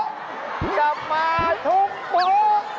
กลับมาทุบปุ๊บ